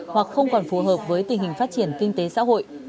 hoặc không còn phù hợp với tình hình phát triển kinh tế xã hội